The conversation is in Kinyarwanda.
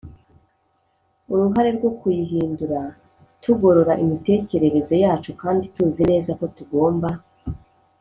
’uruhare rwo kuyihindura tugorora imitekerereze yacu kandi tuzi neza ko tugomba